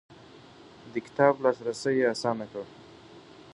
د کتاب لاسرسی يې اسانه کړ.